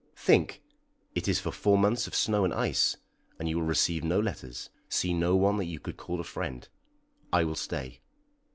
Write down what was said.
"Think! it is for four months of snow and ice, and you will receive no letters, see no one that you could call a friend." "I will stay."